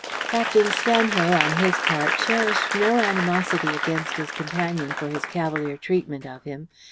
Captain Stanhill, on his part, cherished no animosity against his companion for his cavalier treatment of him.